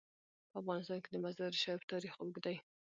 په افغانستان کې د مزارشریف تاریخ اوږد دی.